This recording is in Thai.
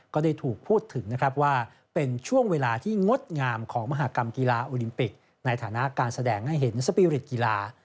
ก็ได้ถูกพูดถึงนะครับว่าเป็นช่วงเวลาที่งดงามของมหากรรมกีฬาโอลิมปิกในฐานะการแสดงให้เห็นสปีริตกีฬา